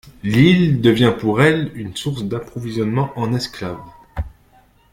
L'île devient pour elle une source d'approvisionnement en esclaves.